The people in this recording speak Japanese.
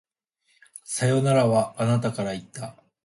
さよならは、あなたから言った。